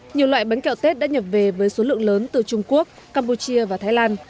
nhiều loại bánh kẹo tết đã nhập về với số lượng lớn từ trung quốc campuchia và thái lan